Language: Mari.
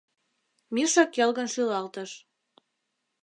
— Миша келгын шӱлалтыш.